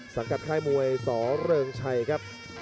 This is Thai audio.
มีความรู้สึกว่า